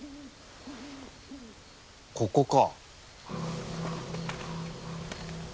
ここか。